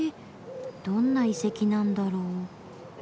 どんな遺跡なんだろう？